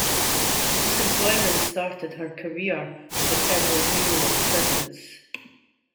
This employment started her career with the Federal Bureau of Prisons.